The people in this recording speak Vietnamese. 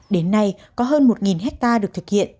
đến nay có hơn một hectare được thực hiện